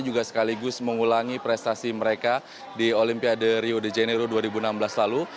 juga sekaligus mengulangi prestasi mereka di olimpiade rio de janeiro dua ribu enam belas lalu